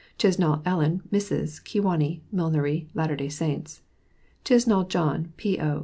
CHISNALL ELLEN Mrs. Kewanee; millinery; Latter Day Saints. CHISNALL JOHN, P.O.